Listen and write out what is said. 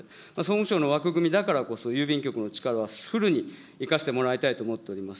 総務省の枠組みだからこそ、郵便局の力はフルに生かしてもらいたいと思っております。